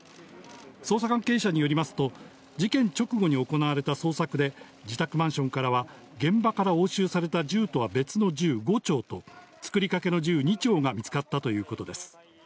捜査関係者によりますと、事件直後に行われた捜索で、自宅マンションからは、現場から押収された銃とは別の銃５丁と、作りかけの銃２丁が見つかったということです。